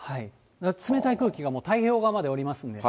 冷たい空気がもう太平洋側までおりますので。